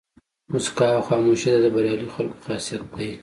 موسکا او خاموشي دا د بریالي خلکو خاصیت دی.